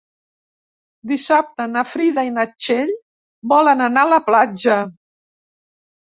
Dissabte na Frida i na Txell volen anar a la platja.